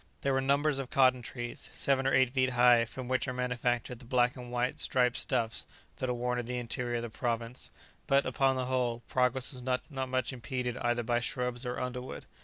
There were numbers of cotton trees, seven or eight feet high, from which are manufactured the black and white striped stuffs that are worn in the interior of the province; but, upon the whole, progress was not much impeded either by shrubs or underwood.